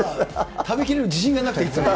食べきれる自信がなくて。